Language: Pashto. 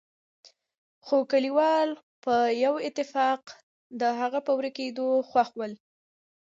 خو کليوال په يوه اتفاق د هغه په ورکېدو خوښ ول.